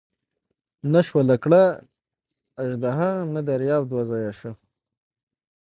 نه شوه لکړه اژدها نه دریاب دوه ځایه شو.